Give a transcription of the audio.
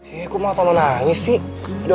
hei kok mau sama nangis sih